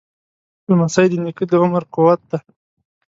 لمسی د نیکه د عمر قوت دی.